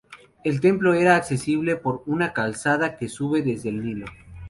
El templo era accesible por una calzada que sube desde el Nilo.